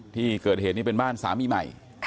ที่เกิดเหตุนี้เป็นบ้านสามีใหม่